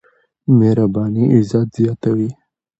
مهرباني عزت زياتوي.